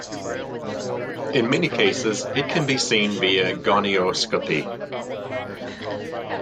In many cases it can be seen via gonioscopy.